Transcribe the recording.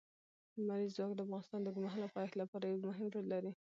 لمریز ځواک د افغانستان د اوږدمهاله پایښت لپاره یو مهم رول لري.